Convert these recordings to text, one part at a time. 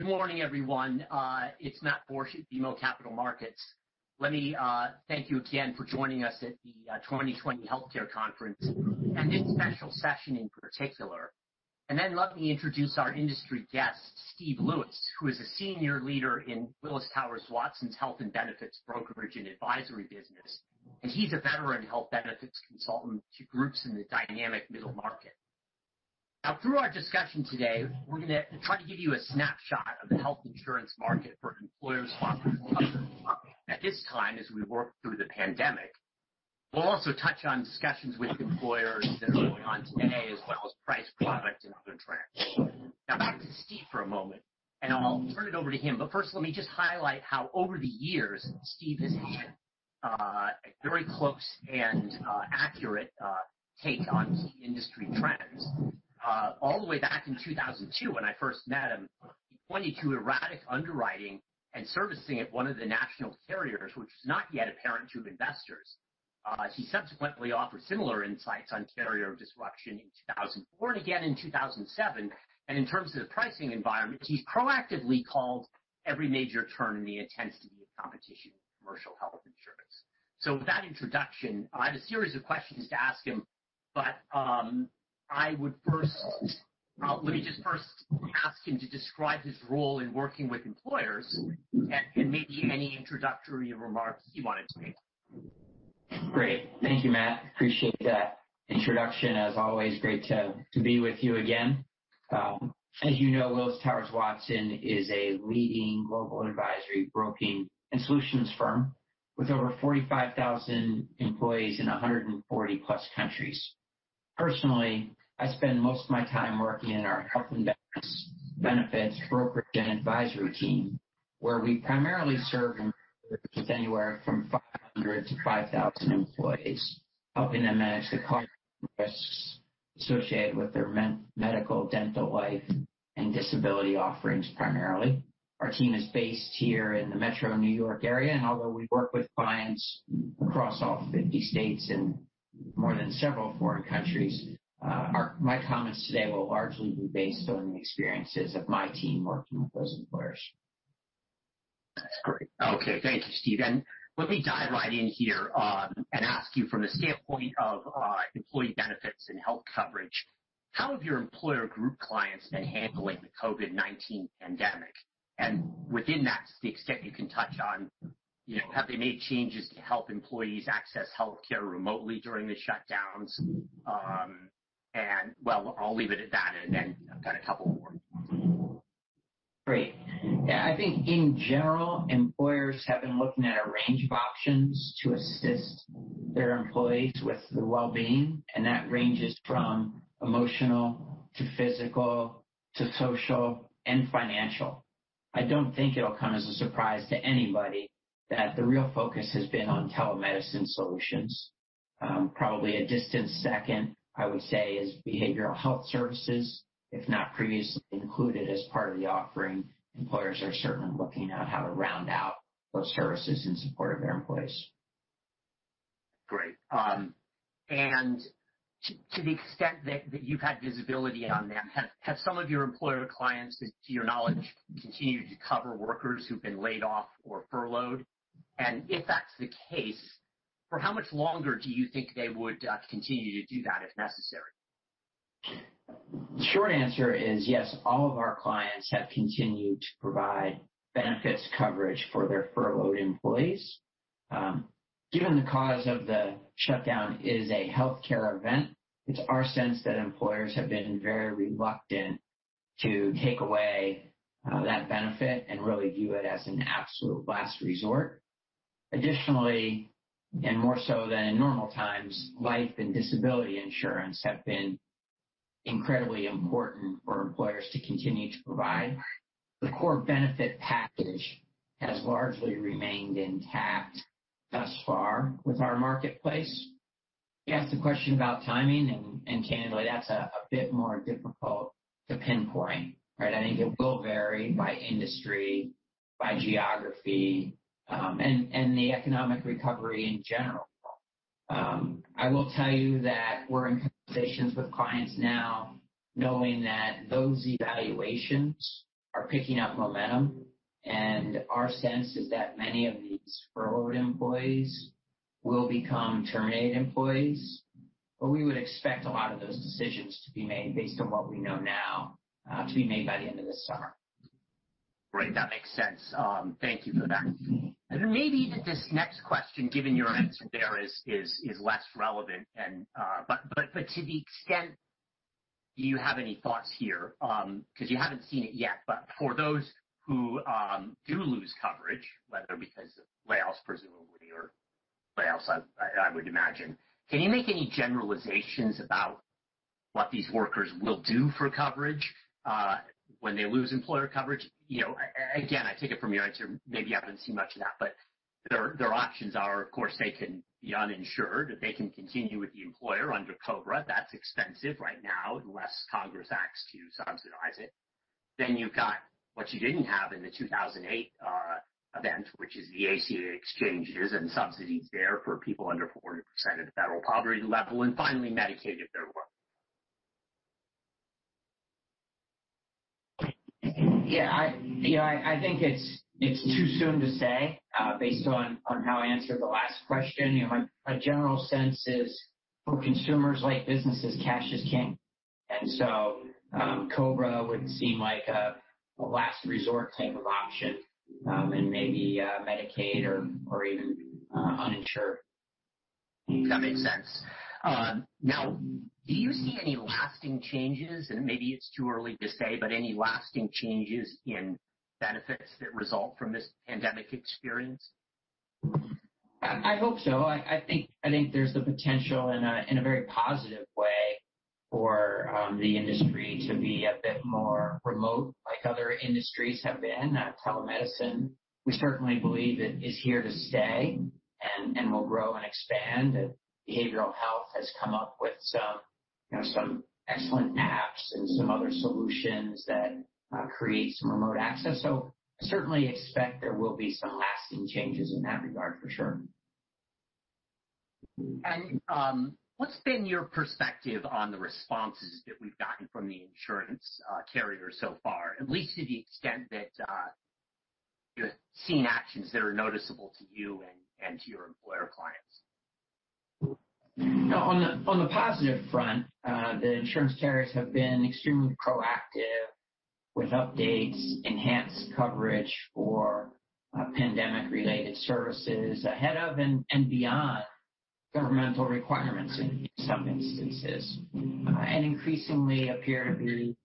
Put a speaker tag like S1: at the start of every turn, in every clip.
S1: Good morning, everyone. It's Matthew Borsch at BMO Capital Markets. Let me thank you again for joining us at the 2020 Healthcare Conference, and this special session in particular. Then let me introduce our industry guest, Steve Lewis, who is a senior leader in Willis Towers Watson's health and benefits brokerage and advisory business, and he's a veteran health benefits consultant to groups in the dynamic middle market. Through our discussion today, we're going to try to give you a snapshot of the health insurance market for employer-sponsored at this time as we work through the pandemic. We'll also touch on discussions with employers that are going on today as well as price, product, and other trends. Back to Steve for a moment, and I'll turn it over to him. First, let me just highlight how over the years, Steve has had a very close and accurate take on key industry trends. All the way back in 2002, when I first met him, he pointed to erratic underwriting and servicing at one of the national carriers, which was not yet apparent to investors. He subsequently offered similar insights on carrier disruption in 2004 and again in 2007. In terms of the pricing environment, he's proactively called every major turn in the intensity of competition in commercial health insurance. With that introduction, I have a series of questions to ask him, but let me just first ask him to describe his role in working with employers and maybe any introductory remarks he wanted to make.
S2: Great. Thank you, Matt. Appreciate that introduction. As always, great to be with you again. As you know, Willis Towers Watson is a leading global advisory, broking, and solutions firm with over 45,000 employees in 140-plus countries. Personally, I spend most of my time working in our health and benefits brokerage and advisory team, where we primarily serve employers with anywhere from 500 to 5,000 employees, helping them manage the cost risks associated with their medical, dental, life, and disability offerings, primarily. Our team is based here in the metro New York area, and although we work with clients across all 50 states and more than several foreign countries, my comments today will largely be based on the experiences of my team working with those employers.
S1: That's great. Okay. Thank you, Steve. Let me dive right in here and ask you from the standpoint of employee benefits and health coverage, how have your employer group clients been handling the COVID-19 pandemic? Within that, to the extent you can touch on, have they made changes to help employees access healthcare remotely during the shutdowns? Well, I'll leave it at that, then I've got a couple more.
S2: Great. Yeah, I think in general, employers have been looking at a range of options to assist their employees with their well-being, and that ranges from emotional to physical to social and financial. I don't think it'll come as a surprise to anybody that the real focus has been on telemedicine solutions. Probably a distant second, I would say, is behavioral health services. If not previously included as part of the offering, employers are certainly looking at how to round out those services in support of their employees.
S1: Great. To the extent that you've had visibility on them, have some of your employer clients, to your knowledge, continued to cover workers who've been laid off or furloughed? If that's the case, for how much longer do you think they would continue to do that if necessary?
S2: The short answer is yes, all of our clients have continued to provide benefits coverage for their furloughed employees. Given the cause of the shutdown is a healthcare event, it's our sense that employers have been very reluctant to take away that benefit and really view it as an absolute last resort. Additionally, and more so than in normal times, life and disability insurance have been incredibly important for employers to continue to provide. The core benefit package has largely remained intact thus far with our marketplace. You asked a question about timing, and candidly, that's a bit more difficult to pinpoint. I think it will vary by industry, by geography, and the economic recovery in general. I will tell you that we're in conversations with clients now knowing that those evaluations are picking up momentum, and our sense is that many of these furloughed employees will become terminated employees. We would expect a lot of those decisions to be made based on what we know now, to be made by the end of this summer.
S1: Great. That makes sense. Thank you for that. Maybe this next question, given your answer there, is less relevant. To the extent, do you have any thoughts here? Because you haven't seen it yet, but for those who do lose coverage, whether because of layoffs, presumably, or layoffs, I would imagine, can you make any generalizations about what these workers will do for coverage, when they lose employer coverage? Again, I take it from your answer, maybe you haven't seen much of that, but their options are, of course, they can be uninsured. They can continue with the employer under COBRA. That's expensive right now, unless Congress acts to subsidize it. Then you've got what you didn't have in the 2008 event, which is the ACA exchanges and subsidies there for people under 40% of the federal poverty level, and finally, Medicaid if they're-
S2: Yeah. I think it's too soon to say based on how I answered the last question. My general sense is for consumers, like businesses, cash is king. COBRA would seem like a last resort type of option, and maybe Medicaid or even uninsured.
S1: That makes sense. Do you see any lasting changes, maybe it's too early to say, but any lasting changes in benefits that result from this pandemic experience?
S2: I hope so. I think there's the potential in a very positive way for the industry to be a bit more remote like other industries have been. Telemedicine, we certainly believe it is here to stay and will grow and expand. Behavioral health has come up with some excellent apps and some other solutions that create some remote access. I certainly expect there will be some lasting changes in that regard, for sure.
S1: What's been your perspective on the responses that we've gotten from the insurance carriers so far, at least to the extent that you're seeing actions that are noticeable to you and to your employer clients?
S2: On the positive front, the insurance carriers have been extremely proactive with updates, enhanced coverage for pandemic-related services ahead of and beyond governmental requirements in some instances, and increasingly appear to be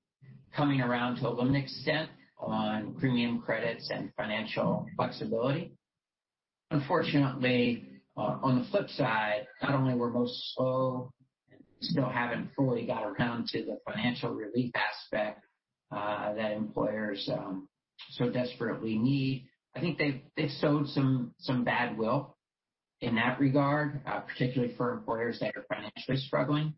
S2: coming around to a limited extent on premium credits and financial flexibility. Unfortunately, on the flip side, not only were most slow, still haven't fully got around to the financial relief aspect that employers so desperately need. I think they've sowed some bad will in that regard, particularly for employers that are financially struggling.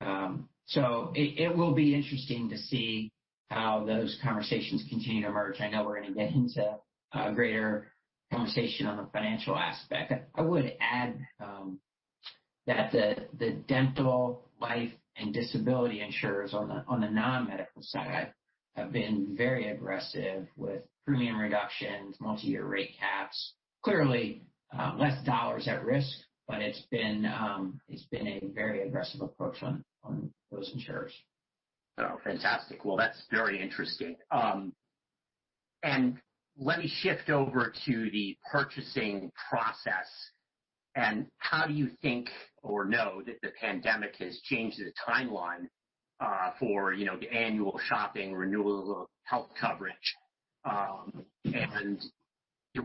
S2: It will be interesting to see how those conversations continue to emerge. I know we're going to get into a greater conversation on the financial aspect. I would add that the dental, life, and disability insurers on the non-medical side have been very aggressive with premium reductions, multi-year rate caps. Clearly, less dollars at risk, it's been a very aggressive approach on those insurers.
S1: Oh, fantastic. Well, that's very interesting. Let me shift over to the purchasing process, how do you think or know that the pandemic has changed the timeline for the annual shopping renewal of health coverage?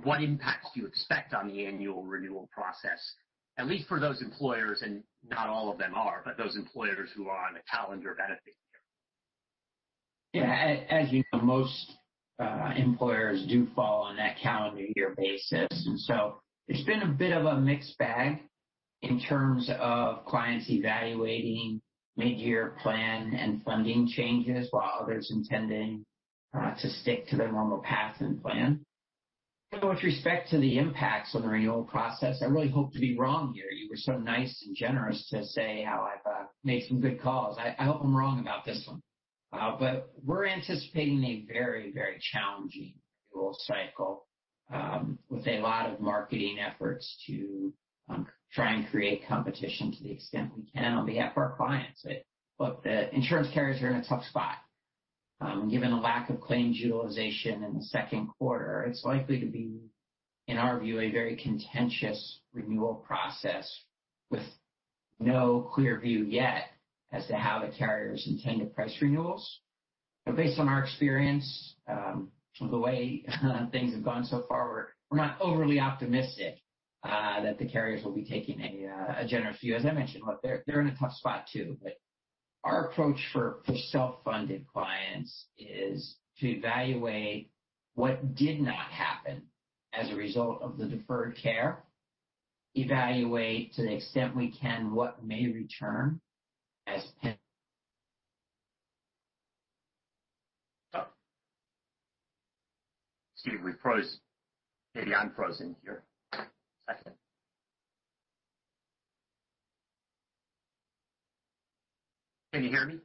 S1: What impacts do you expect on the annual renewal process, at least for those employers, and not all of them are, but those employers who are on a calendar benefit year?
S2: Yeah. As you know, most employers do fall on that calendar year basis, and so it's been a bit of a mixed bag in terms of clients evaluating mid-year plan and funding changes, while others intending to stick to their normal path and plan. With respect to the impacts on the renewal process, I really hope to be wrong here. You were so nice and generous to say how I've made some good calls. I hope I'm wrong about this one. We're anticipating a very challenging renewal cycle with a lot of marketing efforts to try and create competition to the extent we can on behalf of our clients. The insurance carriers are in a tough spot. Given the lack of claims utilization in the second quarter, it's likely to be, in our view, a very contentious renewal process with no clear view yet as to how the carriers intend to price renewals. Based on our experience, the way things have gone so far, we're not overly optimistic that the carriers will be taking a generous view. As I mentioned, they're in a tough spot too. Our approach for self-funded clients is to evaluate what did not happen as a result of the deferred care, evaluate to the extent we can what may return as pen-
S1: Steve, we froze. Maybe I'm frozen here. One second. Can you hear me?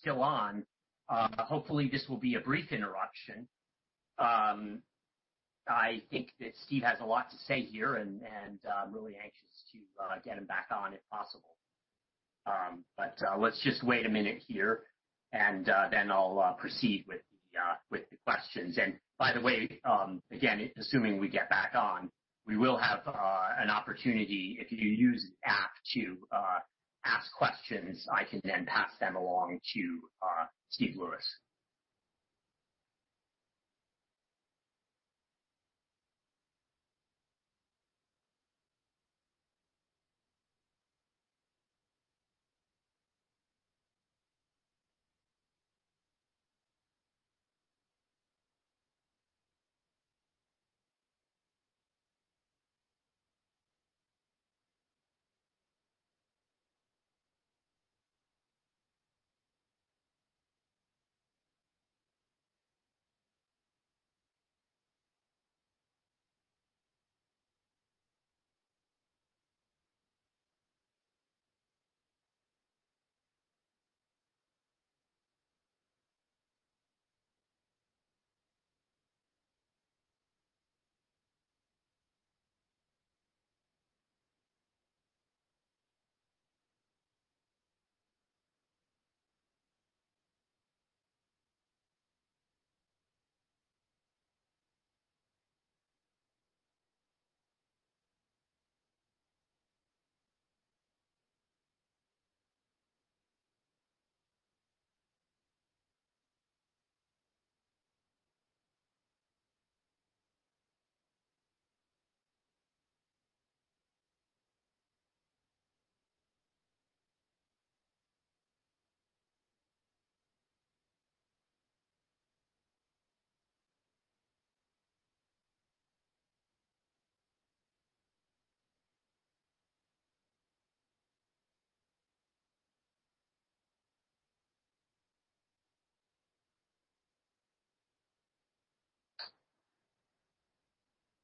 S1: Still on. Hopefully, this will be a brief interruption. I think that Steve has a lot to say here, and I'm really anxious to get him back on if possible. Let's just wait a minute here, and then I'll proceed with the questions. By the way, again, assuming we get back on, we will have an opportunity, if you use the app to ask questions, I can then pass them along to Steve Lewis.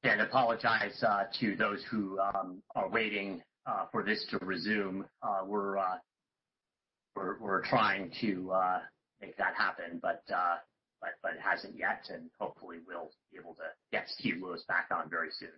S1: Apologize to those who are waiting for this to resume. We're trying to make that happen, but it hasn't yet, and hopefully we'll be able to get Steve Lewis back on very soon.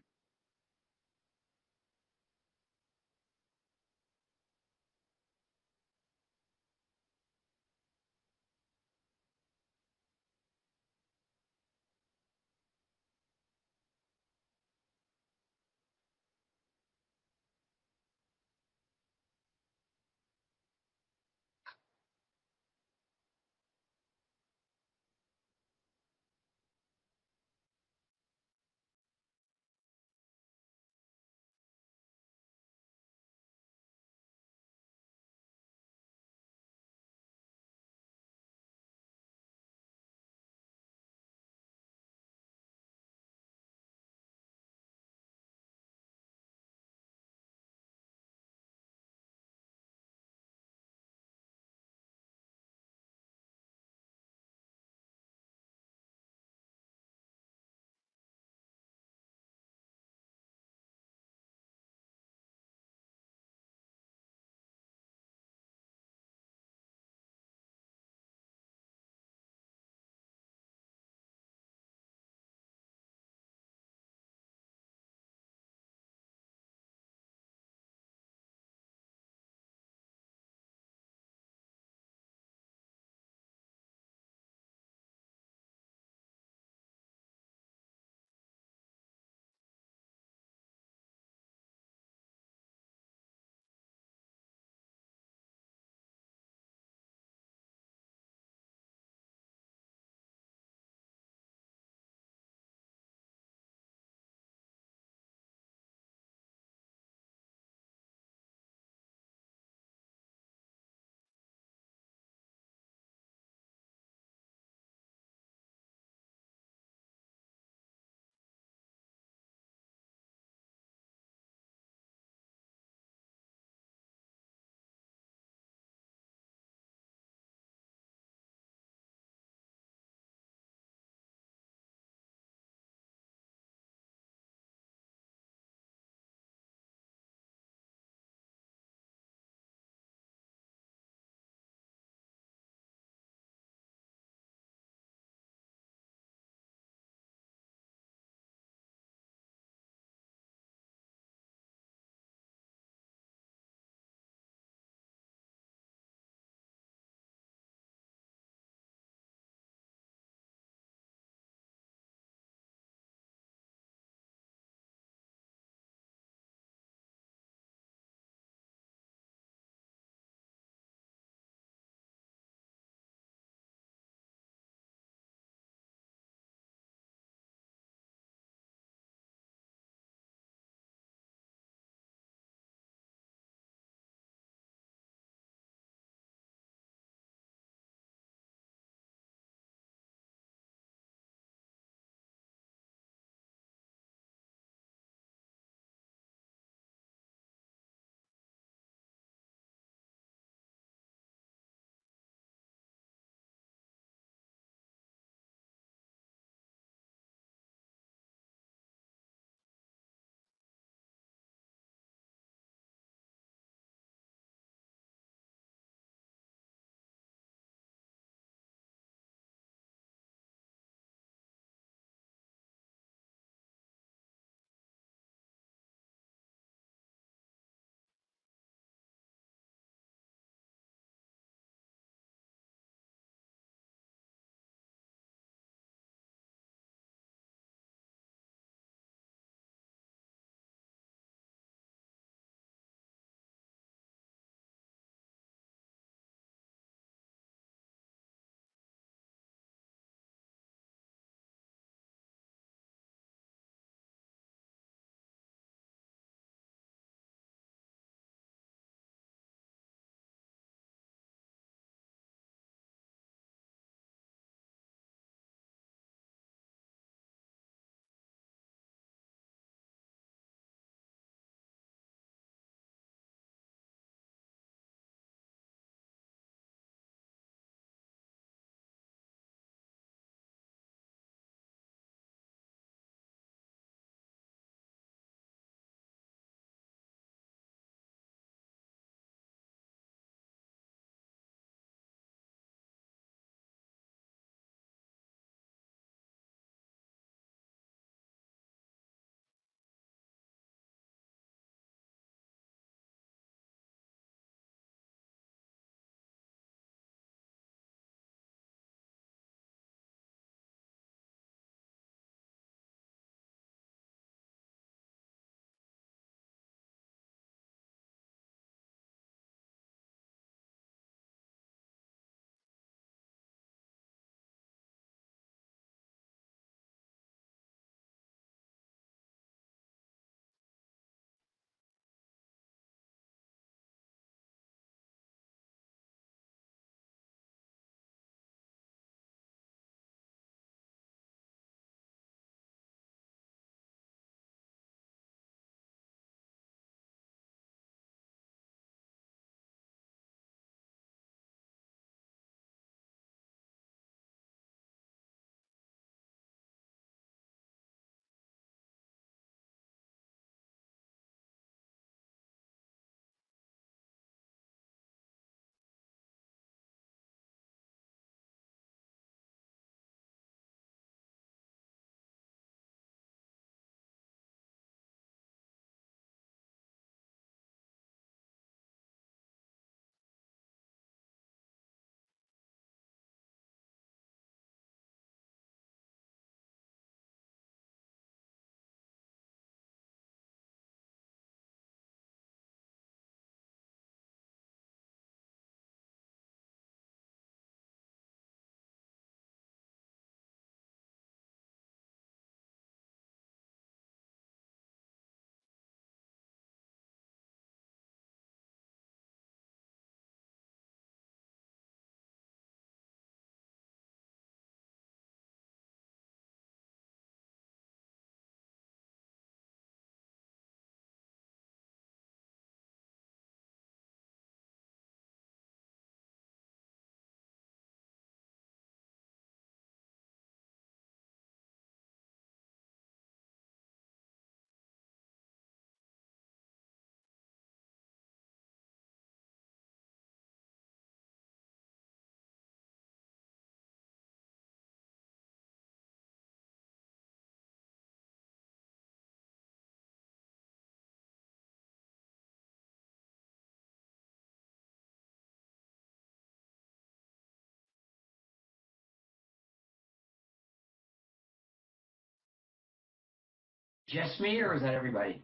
S1: Just me or is that everybody?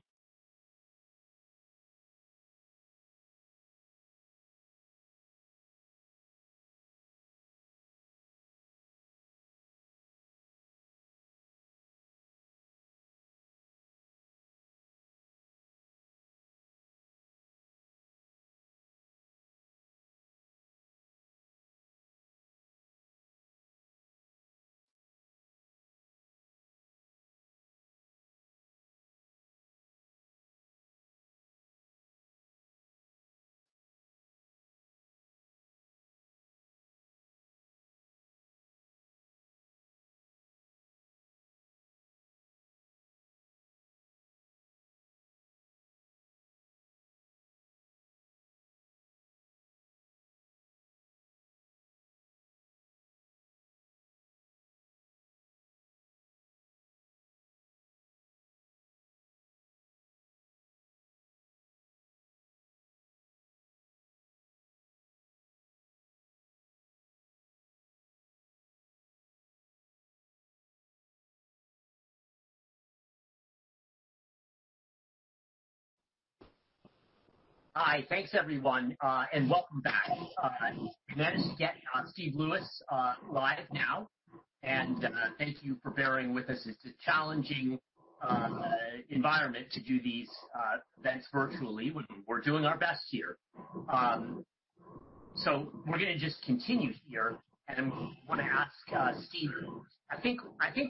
S1: Hi. Thanks, everyone, and welcome back. Managed to get Steve Lewis live now, and thank you for bearing with us. It's a challenging environment to do these events virtually. We're doing our best here. We're going to just continue here, and I want to ask Steve. I think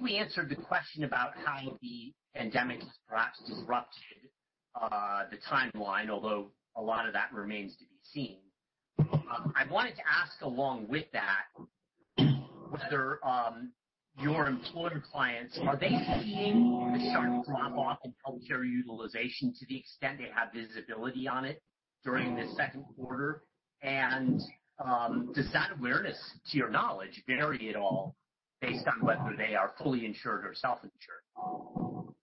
S1: we answered the question about how the pandemic has perhaps disrupted the timeline, although a lot of that remains to be seen. I wanted to ask along with that, whether your employer clients, are they seeing the sharp drop-off in healthcare utilization to the extent they have visibility on it during this second quarter? Does that awareness, to your knowledge, vary at all based on whether they are fully insured or self-insured?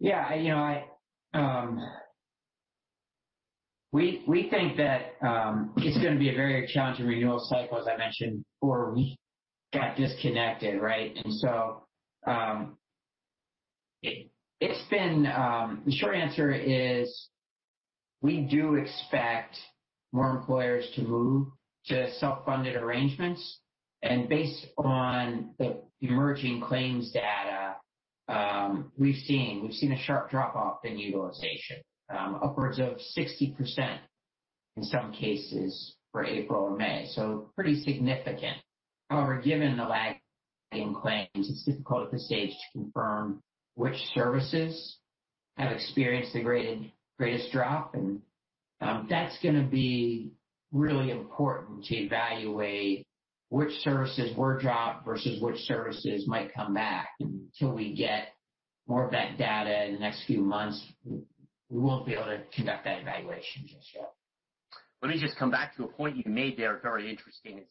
S2: Yeah. We think that it's going to be a very challenging renewal cycle, as I mentioned, before we got disconnected, right? The short answer is we do expect more employers to move to self-funded arrangements. Based on the emerging claims data we've seen, we've seen a sharp drop-off in utilization, upwards of 60% in some cases for April or May, so pretty significant. However, given the lag in claims, it's difficult at this stage to confirm which services have experienced the greatest drop. That's going to be really important to evaluate which services were dropped versus which services might come back. Until we get more of that data in the next few months, we won't be able to conduct that evaluation just yet.
S1: Let me just come back to a point you made there, very interesting.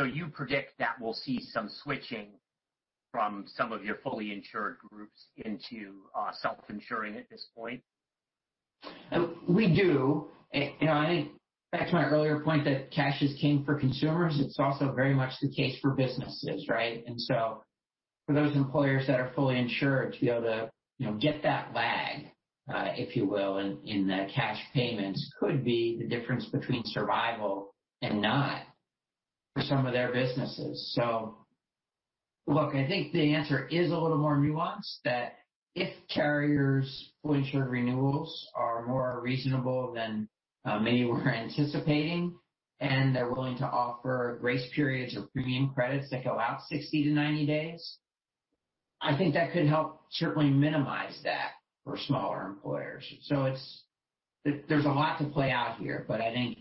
S1: You predict that we'll see some switching from some of your fully insured groups into self-insuring at this point?
S2: We do. I think back to my earlier point that cash is king for consumers, it's also very much the case for businesses, right? For those employers that are fully insured, to be able to get that lag, if you will, in the cash payments could be the difference between survival and not for some of their businesses. Look, I think the answer is a little more nuanced, that if carriers' fully insured renewals are more reasonable than many were anticipating, and they're willing to offer grace periods or premium credits that go out 60 to 90 days, I think that could help certainly minimize that for smaller employers. There's a lot to play out here, I think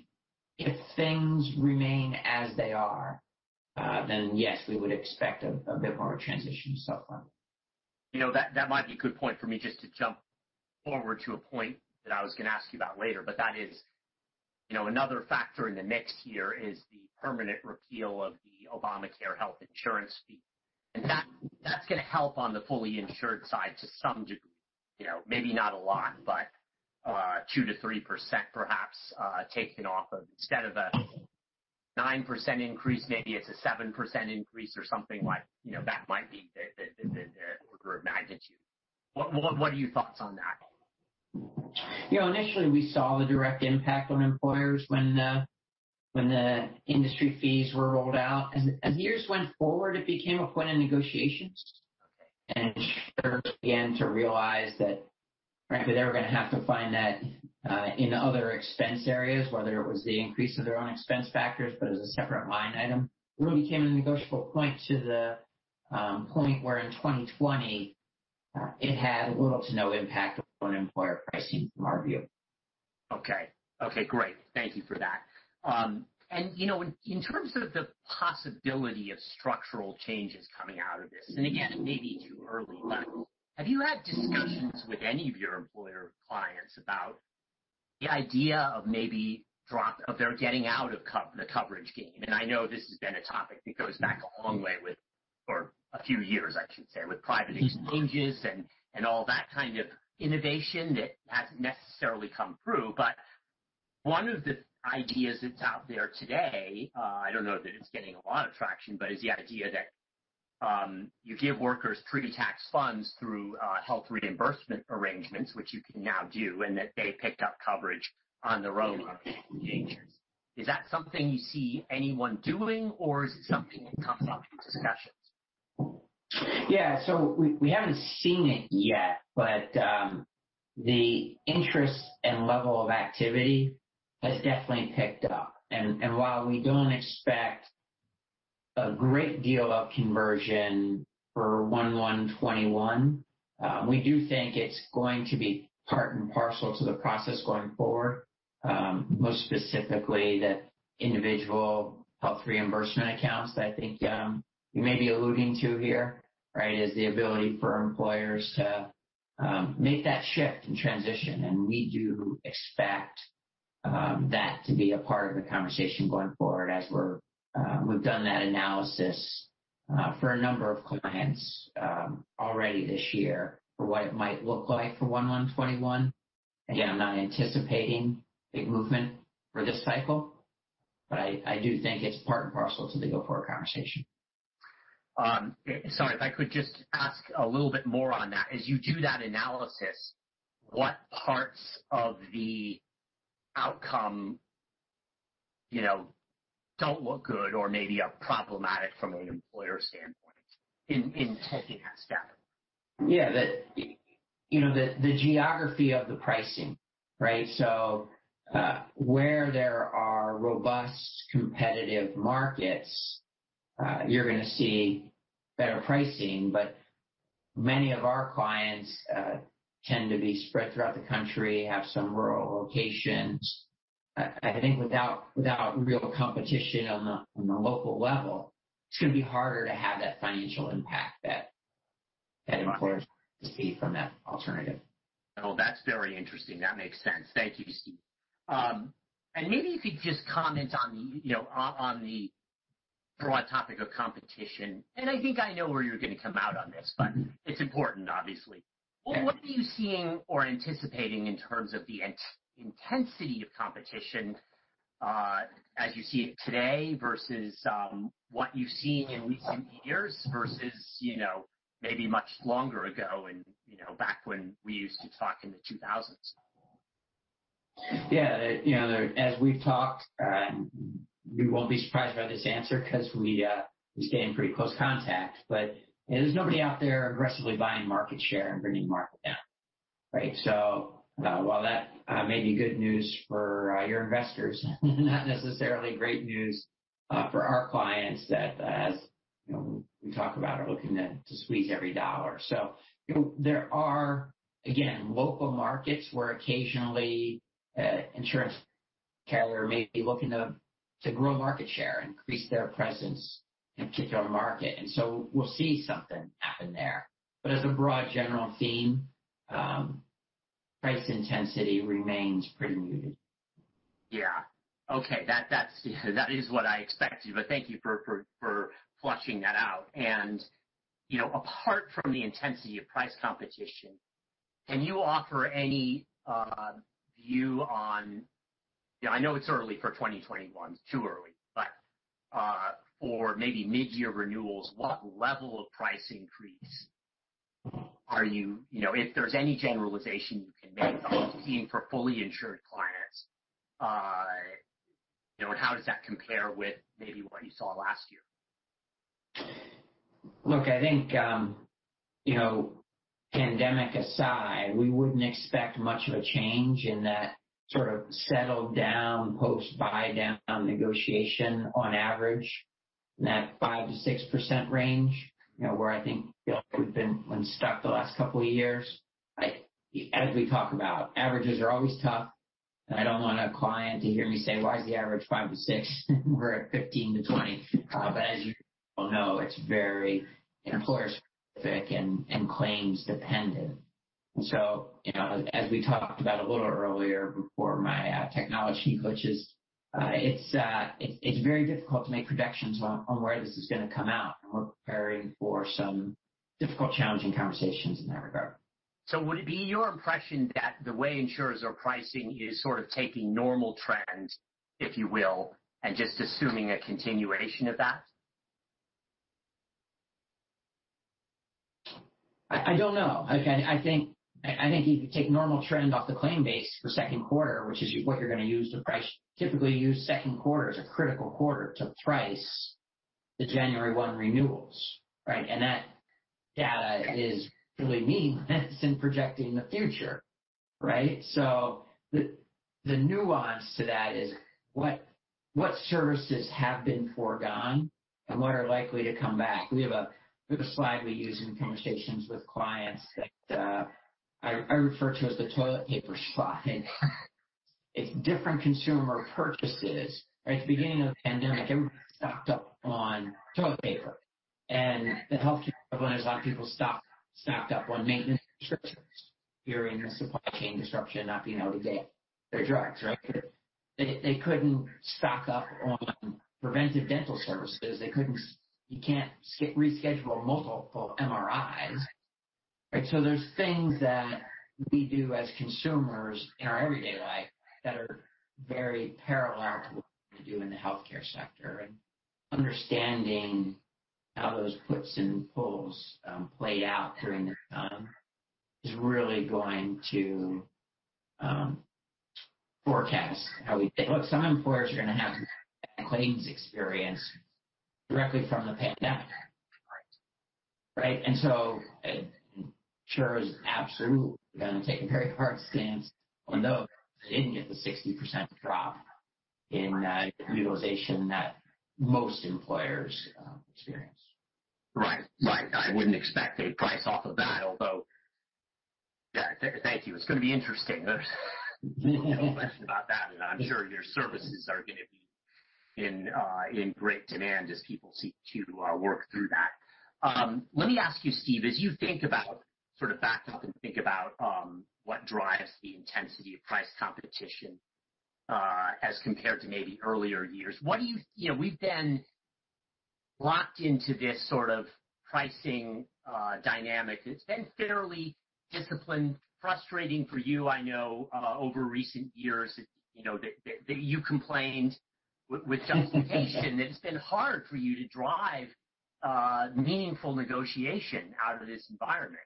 S2: if things remain as they are, yes, we would expect a bit more transition so far.
S1: That might be a good point for me just to jump forward to a point that I was going to ask you about later, that is another factor in the mix here is the permanent repeal of the Obamacare health insurance fee. That's going to help on the fully insured side to some degree, maybe not a lot, but 2%-3% perhaps taken off of instead of a 9% increase, maybe it's a 7% increase or something. That might be the order of magnitude. What are your thoughts on that?
S2: Initially, we saw the direct impact on employers when the industry fees were rolled out. As years went forward, it became a point of negotiations.
S1: Okay.
S2: Insurers began to realize that frankly, they were going to have to find that in other expense areas, whether it was the increase of their own expense factors, but as a separate line item, really became a negotiable point to the point where in 2020, it had little to no impact on employer pricing from our view.
S1: Okay. Great. Thank you for that. In terms of the possibility of structural changes coming out of this, and again, it may be too early, but have you had discussions with any of your employer clients about the idea of maybe of their getting out of the coverage game? I know this has been a topic that goes back a long way with, or a few years I should say, with private exchanges and all that kind of innovation that hasn't necessarily come through. One of the ideas that's out there today, I don't know that it's getting a lot of traction, but is the idea that you give workers pre-tax funds through health reimbursement arrangements, which you can now do, and that they pick up coverage on their own. Is that something you see anyone doing, or is it something that comes up in discussions?
S2: Yeah. We haven't seen it yet, but the interest and level of activity has definitely picked up. While we don't expect a great deal of conversion for 1/1/2021, we do think it's going to be part and parcel to the process going forward. Most specifically, that individual health reimbursement accounts that I think you may be alluding to here, right, is the ability for employers to make that shift and transition. We do expect that to be a part of the conversation going forward as we've done that analysis for a number of clients already this year for what it might look like for 1/1/2021. Again, I'm not anticipating big movement for this cycle, but I do think it's part and parcel to the go-forward conversation.
S1: Sorry, if I could just ask a little bit more on that. As you do that analysis, what parts of the outcome don't look good or maybe are problematic from an employer standpoint in taking that step?
S2: Yeah. The geography of the pricing, right? Where there are robust competitive markets, you're going to see better pricing. Many of our clients tend to be spread throughout the country, have some rural locations. I think without real competition on the local level, it's going to be harder to have that financial impact that employers see from that alternative.
S1: Well, that's very interesting. That makes sense. Thank you, Steve. Maybe if you could just comment on the broad topic of competition, and I think I know where you're going to come out on this, but it's important, obviously.
S2: Yeah.
S1: What are you seeing or anticipating in terms of the intensity of competition as you see it today versus what you've seen in recent years versus maybe much longer ago and back when we used to talk in the 2000s.
S2: Yeah. As we've talked, you won't be surprised by this answer because we stay in pretty close contact, but there's nobody out there aggressively buying market share and bringing market down. Right? While that may be good news for your investors, not necessarily great news for our clients that, as we talk about, are looking to squeeze every dollar. There are, again, local markets where occasionally insurance carrier may be looking to grow market share, increase their presence in a particular market, and so we'll see something happen there. As a broad general theme, price intensity remains pretty muted.
S1: Yeah. Okay. That is what I expected, but thank you for fleshing that out. Apart from the intensity of price competition, can you offer any view on I know it's early for 2021, too early, but for maybe mid-year renewals, what level of price increase are you-- If there's any generalization you can make seeing for fully insured clients, and how does that compare with maybe what you saw last year?
S2: Look, I think, pandemic aside, we wouldn't expect much of a change in that sort of settled down post buy-down negotiation on average in that 5%-6% range, where I think we've been when stuck the last couple of years. As we talk about, averages are always tough, and I don't want a client to hear me say, "Why is the average 5%-6%?" We're at 15%-20%. As you well know, it's very employer specific and claims dependent. As we talked about a little earlier before my technology glitches, it's very difficult to make predictions on where this is going to come out, and we're preparing for some difficult challenging conversations in that regard.
S1: Would it be your impression that the way insurers are pricing is sort of taking normal trends, if you will, and just assuming a continuation of that?
S2: I don't know. I think if you take normal trend off the claim base for second quarter, which is what you're going to use to price, typically use second quarter as a critical quarter to price the January one renewals, right? That data is really meaningless in projecting the future, right? The nuance to that is what services have been foregone and what are likely to come back. We have a slide we use in conversations with clients that I refer to as the toilet paper slide. It's different consumer purchases, right? At the beginning of the pandemic, everybody stocked up on toilet paper, and the healthcare providers a lot of people stocked up on maintenance prescriptions during the supply chain disruption, not being able to get their drugs, right? They couldn't stock up on preventive dental services. You can't reschedule multiple MRIs. Right? There's things that we do as consumers in our everyday life that are very parallel to what we do in the healthcare sector, and understanding how those puts and pulls played out during this time is really going to forecast how we think. Look, some employers are going to have claims experience directly from the pandemic.
S1: Right.
S2: Right? Insurers absolutely are going to take a very hard stance on those that didn't get the 60% drop in utilization that most employers experienced.
S1: Right. I wouldn't expect they'd price off of that, although Thank you. It's going to be interesting. No question about that, and I'm sure your services are going to be in great demand as people seek to work through that. Let me ask you, Steve, as you think about, sort of back up and think about what drives the intensity of price competition, as compared to maybe earlier years. We've been locked into this sort of pricing dynamic. It's been fairly disciplined, frustrating for you, I know, over recent years, that you complained with some frustration that it's been hard for you to drive meaningful negotiation out of this environment.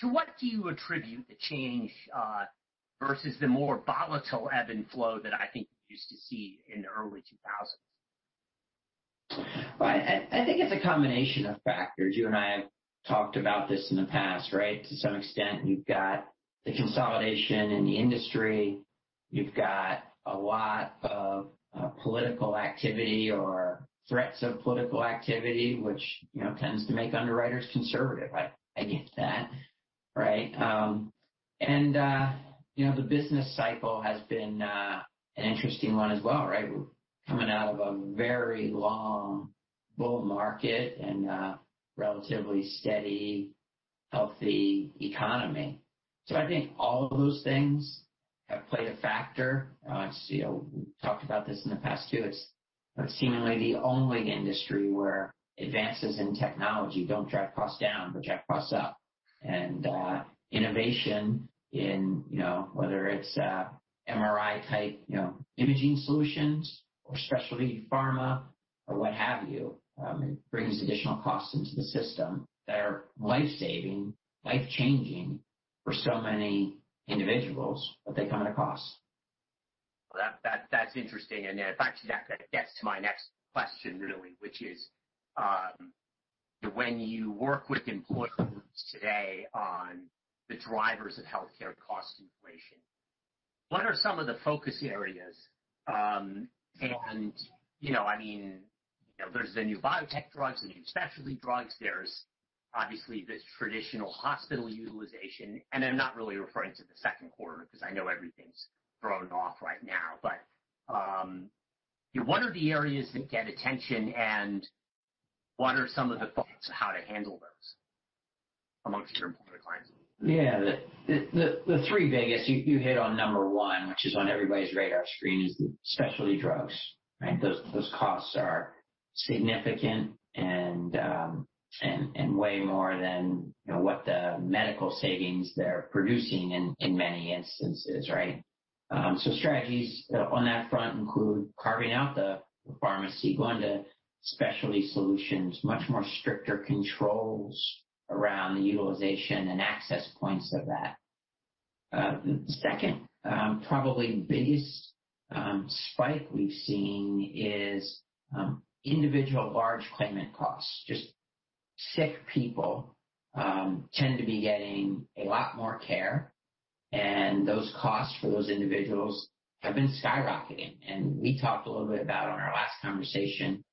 S1: To what do you attribute the change, versus the more volatile ebb and flow that I think we used to see in the early 2000s?
S2: I think it's a combination of factors. You and I have talked about this in the past, right? To some extent, you've got the consolidation in the industry. You've got a lot of political activity or threats of political activity, which tends to make underwriters conservative. I get that, right? The business cycle has been an interesting one as well, right? We're coming out of a very long bull market and a relatively steady, healthy economy. I think all of those things have played a factor. We talked about this in the past too. It's seemingly the only industry where advances in technology don't drive costs down, but drive costs up. Innovation in whether it's MRI type imaging solutions or specialty pharma or what have you, it brings additional costs into the system that are life-saving, life-changing for so many individuals, but they come at a cost.
S1: Well, that's interesting. In fact, that gets to my next question, really, which is, when you work with employers today on the drivers of healthcare cost inflation, what are some of the focus areas? There's the new biotech drugs, the new specialty drugs. There's obviously this traditional hospital utilization, and I'm not really referring to the second quarter because I know everything's thrown off right now. What are the areas that get attention, and what are some of the thoughts of how to handle those amongst your employer clients?
S2: Yeah. The 3 biggest, you hit on number 1, which is on everybody's radar screen, is the specialty drugs, right? Those costs are significant and way more than what the medical savings they're producing in many instances, right? Strategies on that front include carving out the pharmacy, going to specialty solutions, much more stricter controls around the utilization and access points of that. The second probably biggest spike we've seen is individual large claimant costs. Just sick people tend to be getting a lot more care, and those costs for those individuals have been skyrocketing. We talked a little bit about on our last conversation,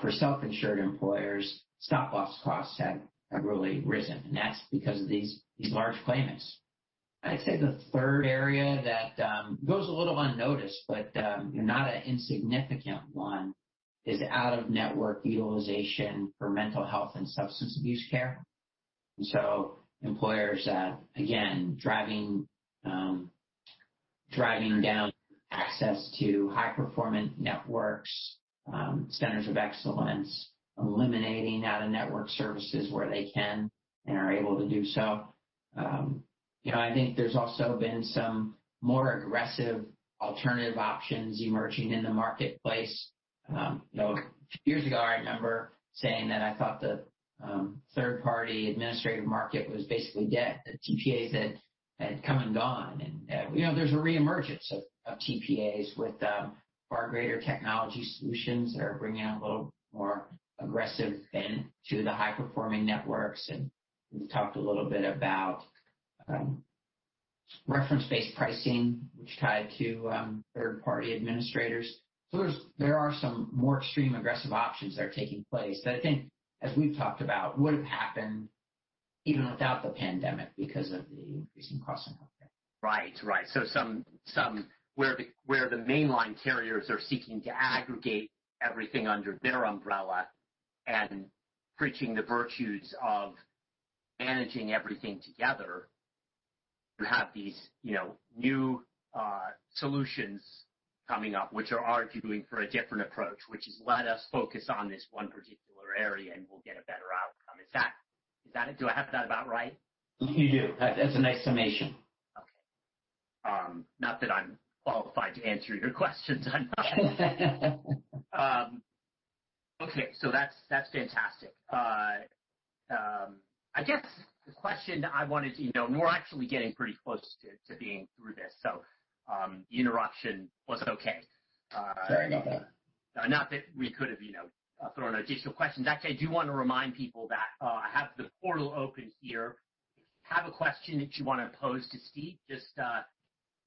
S2: for self-insured employers, stop-loss costs have really risen, and that's because of these large claimants. I'd say the third area that goes a little unnoticed, but not an insignificant one, is out-of-network utilization for mental health and substance abuse care. Employers, again, driving down access to high-performance networks, centers of excellence, eliminating out-of-network services where they can and are able to do so. I think there's also been some more aggressive alternative options emerging in the marketplace. A few years ago, I remember saying that I thought the third-party administrative market was basically dead. TPAs had come and gone, and there's a reemergence of TPAs with far greater technology solutions that are bringing a little more aggressive bend to the high-performing networks. We've talked a little bit about reference-based pricing, which tied to third-party administrators. There are some more extreme aggressive options that are taking place that I think, as we've talked about, would've happened even without the pandemic because of the increasing cost of healthcare.
S1: Right. Where the mainline carriers are seeking to aggregate everything under their umbrella and preaching the virtues of managing everything together, you have these new solutions coming up, which are arguing for a different approach, which is let us focus on this one particular area, and we'll get a better outcome. Do I have that about right?
S2: You do. That's a nice summation.
S1: Okay. Not that I'm qualified to answer your questions. I'm not. Okay. That's fantastic. I guess the question I wanted to know, and we're actually getting pretty close to being through this, so the interruption was okay.
S2: Sorry about that.
S1: Not that we could have thrown additional questions. I do want to remind people that I have the portal open here. If you have a question that you want to pose to Steve,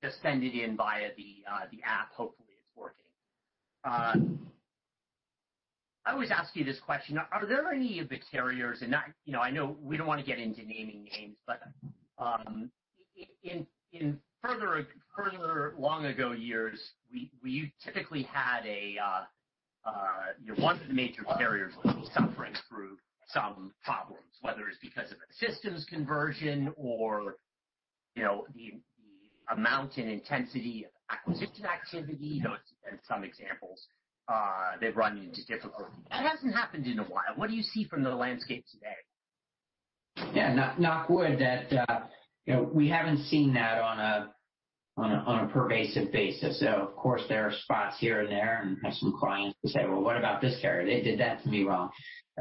S1: just send it in via the app. Hopefully it's working. I always ask you this question. Are there any of the carriers, and I know we don't want to get into naming names, but in further long ago years, we typically had one of the major carriers will be suffering through some problems, whether it's because of a systems conversion or the amount and intensity of acquisition activity, those have been some examples they've run into difficulty. That hasn't happened in a while. What do you see from the landscape today?
S2: Yeah. Knock wood that we haven't seen that on a pervasive basis. Of course, there are spots here and there, and have some clients who say, "Well, what about this carrier? They did that to me wrong."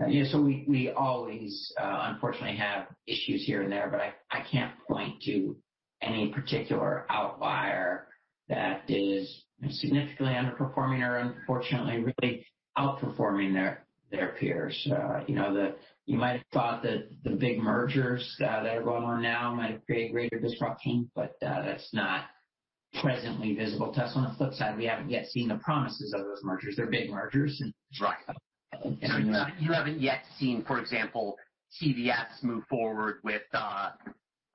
S2: We always unfortunately have issues here and there, but I can't point to any particular outlier that is significantly underperforming or unfortunately really outperforming their peers. You might have thought that the big mergers that are going on now might create greater disrupting, but that's not presently visible to us. On the flip side, we haven't yet seen the promises of those mergers. They're big mergers.
S1: Right. You haven't yet seen, for example, CVS move forward with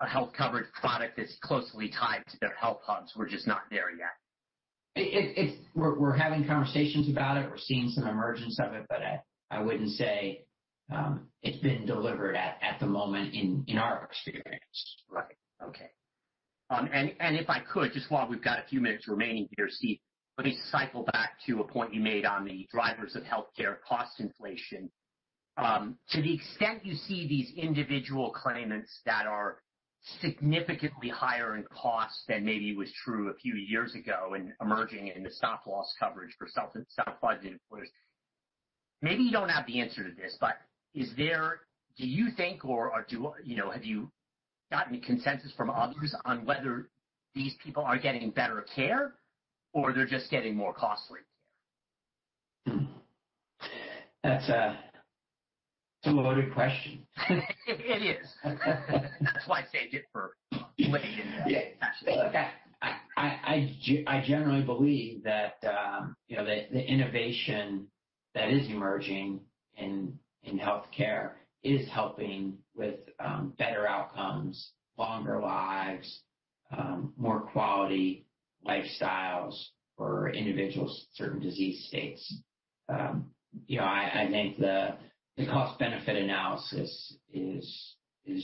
S1: a health coverage product that's closely tied to their HealthHUBs. We're just not there yet.
S2: We're having conversations about it. We're seeing some emergence of it, but I wouldn't say it's been delivered at the moment in our experience.
S1: Right. Okay. If I could, just while we've got a few minutes remaining here, Steve, let me cycle back to a point you made on the drivers of healthcare cost inflation. To the extent you see these individual claimants that are significantly higher in cost than maybe was true a few years ago and emerging in the stop loss coverage for self-funded employers, maybe you don't have the answer to this, but do you think, or have you gotten a consensus from others on whether these people are getting better care or they're just getting more costly care?
S2: That's a two-loaded question.
S1: It is. That's why I saved it for way in the end.
S2: Yeah. Look, I generally believe that the innovation that is emerging in healthcare is helping with better outcomes, longer lives, more quality lifestyles for individuals, certain disease states. I think the cost-benefit analysis is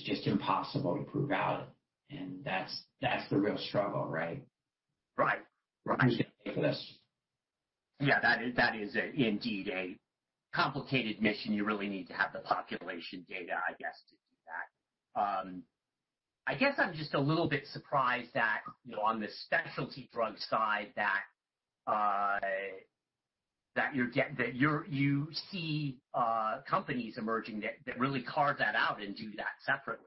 S2: just impossible to prove out, and that's the real struggle, right?
S1: Right.
S2: Who's going to pay for this?
S1: Yeah, that is indeed a complicated mission. You really need to have the population data, I guess, to do that. I guess I'm just a little bit surprised that on the specialty drug side, that you see companies emerging that really carve that out and do that separately.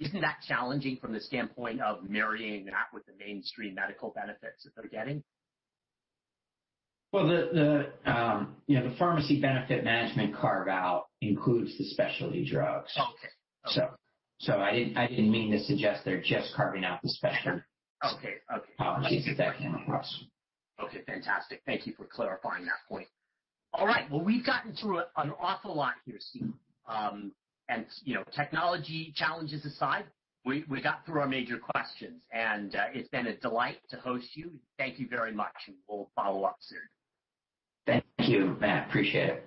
S1: Isn't that challenging from the standpoint of marrying that with the mainstream medical benefits that they're getting?
S2: Well, the pharmacy benefit management carve-out includes the specialty drugs.
S1: Okay.
S2: I didn't mean to suggest they're just carving out the specialty.
S1: Okay.
S2: Policies at that point.
S1: Okay, fantastic. Thank you for clarifying that point. All right. Well, we've gotten through an awful lot here, Steve. Technology challenges aside, we got through our major questions, and it's been a delight to host you. Thank you very much, and we'll follow up soon.
S2: Thank you, Matt. Appreciate it.